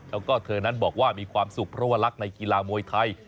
แล้วก็เธอนั้นบอกว่ามีความสุขเพราะว่ารักในกีฬามวยไทย